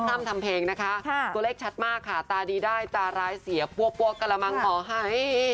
ทำเพลงนะคะตัวเลขชัดมากค่ะตาดีได้ตาร้ายเสียปั้วกระมังขอให้